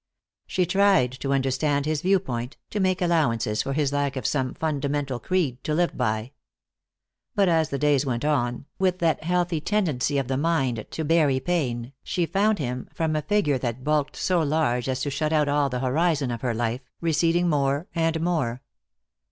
She tried to understand his viewpoint, to make allowances for his lack of some fundamental creed to live by. But as the days went on, with that healthy tendency of the mind to bury pain, she found him, from a figure that bulked so large as to shut out all the horizon of her life, receding more and more.